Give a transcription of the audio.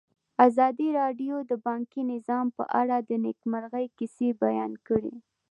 ازادي راډیو د بانکي نظام په اړه د نېکمرغۍ کیسې بیان کړې.